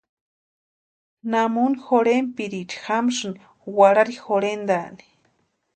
¿Namuni jorhenpiriecha jamasïni warhari jorhentaani?